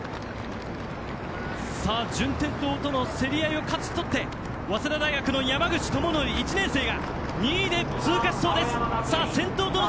順天堂との競り合いを勝ち取って早稲田大学の山口智規、１年生が２位で通過しそうです。